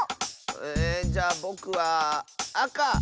えじゃぼくはあか！